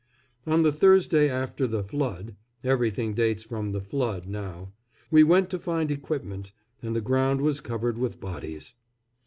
On the Thursday after the "Flood" (everything dates from the "Flood" now) we went to find equipment, and the ground was covered with bodies.